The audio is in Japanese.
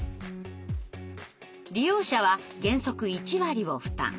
利用者は原則１割を負担。